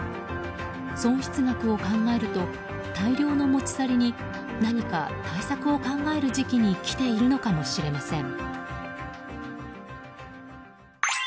損失額を考えると大量の持ち去りに何か対策を考える時期に来ているのかもしれません。